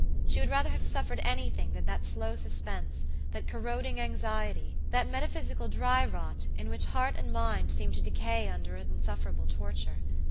She would rather have suffered anything than that slow suspense, that corroding anxiety, that metaphysical dryrot in which heart and mind seemed to decay under an insufferable torture.